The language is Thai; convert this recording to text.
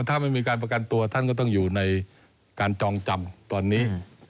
ถ้าไม่มีการประกันตัวท่านก็ต้องอยู่ในการจองจำตอนนี้